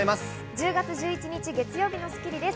１０月１１日、月曜日の『スッキリ』です。